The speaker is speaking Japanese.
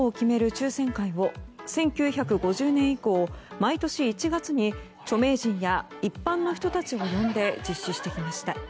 抽せん会を１９５０年以降毎年１月に著名人や一般の人たちを呼んで実施してきました。